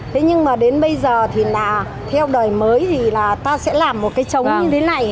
thế nhưng mà đến bây giờ thì là theo đời mới thì là ta sẽ làm một cái trống thế này